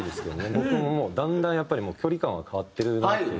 僕ももうだんだんやっぱり距離感は変わってるなっていう。